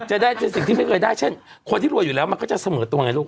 จะได้ในสิ่งที่ไม่เคยได้เช่นคนที่รวยอยู่แล้วมันก็จะเสมอตัวไงลูก